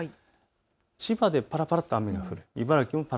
千葉でぱらぱらと雨が降る。